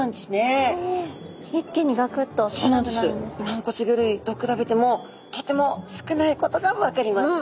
軟骨魚類と比べてもとても少ないことが分かります。